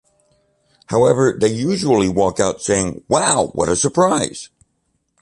However, they usually walk out saying, 'Wow, what a surprise!